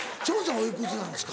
おいくつなんですか？